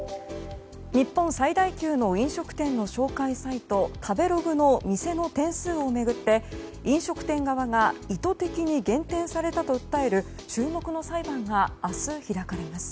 日本最大級の飲食店紹介サイトの食べログの店の点数を巡って飲食店側が意図的に減点されたと訴える注目の裁判が明日開かれます。